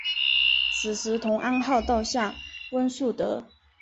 此时同安号倒向温树德。